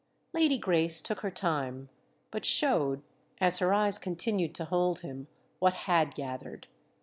Lady Grace took her time—but showed, as her eyes continued to hold him, what had gathered.